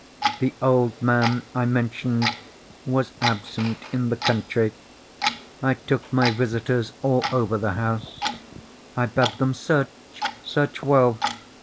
The old man, I mentioned, was absent in the country. I took my visitors all over the house. I bade them search—search well.